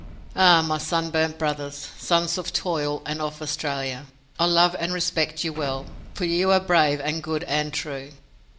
Ah, my sunburnt brothers! sons of toil and of Australia! I love and respect you well, for you are brave and good and true.